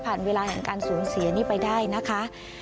ผ่านเวลาของสูงเสียนี่ไปได้นะคะ